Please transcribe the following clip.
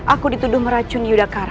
aku dituduh meracun yudhacara